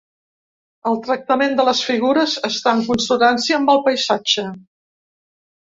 El tractament de les figures està en consonància amb el paisatge.